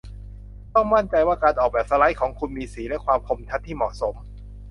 ต้องมั่นใจว่าการออกแบบสไลด์ของคุณมีสีและความคมชัดที่เหมาะสม